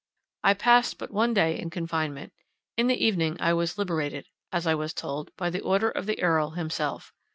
—I passed but one day in confinement; in the evening I was liberated, as I was told, by the order of the Earl himself.